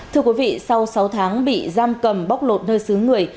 thưa quý vị sau sáu tháng bị giam cầm bóc lột nơi xứ người